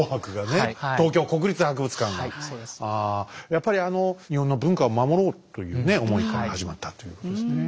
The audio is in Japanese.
やっぱりあの日本の文化を守ろうという思いから始まったということですね。